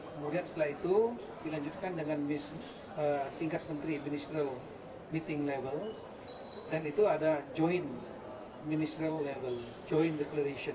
kemudian setelah itu dilanjutkan dengan tingkat menteri ministerial meeting level dan itu ada joint ministerial level joint declaration